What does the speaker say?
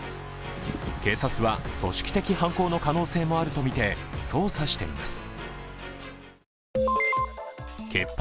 警察は組織的犯行の可能性もあるとみて捜査しています。